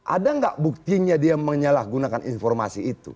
ada nggak buktinya dia menyalahgunakan informasi itu